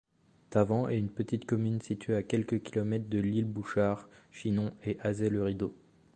Tavant est une petite commune située à quelques kilomètres de L'Ile-Bouchard, Chinon et Azay-le-Rideau.